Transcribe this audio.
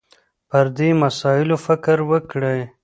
پر دې مسایلو فکر وکړي